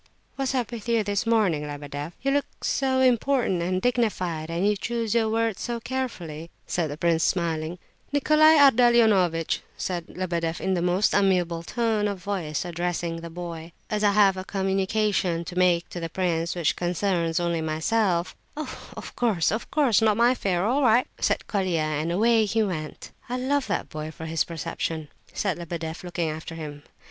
"What's up with you this morning, Lebedeff? You look so important and dignified, and you choose your words so carefully," said the prince, smiling. "Nicolai Ardalionovitch!" said Lebedeff, in a most amiable tone of voice, addressing the boy. "As I have a communication to make to the prince which concerns only myself—" "Of course, of course, not my affair. All right," said Colia, and away he went. "I love that boy for his perception," said Lebedeff, looking after him.